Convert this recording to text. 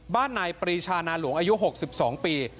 นายปรีชานาหลวงอายุ๖๒ปี